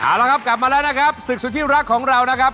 เอาละครับกลับมาแล้วนะครับศึกสุดที่รักของเรานะครับ